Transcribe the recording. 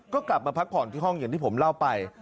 ก็กลับมาพักผ่อนที่ห้องอย่างที่ผมเล่าไป